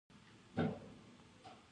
د راتلونکي په اړه هیله شته؟